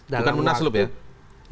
bukan munas lup ya